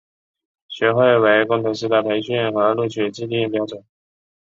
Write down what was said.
学会为工程师的培训和录取制定标准。